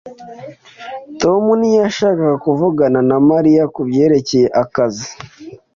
Tom ntiyashakaga kuvugana na Mariya kubyerekeye akazi.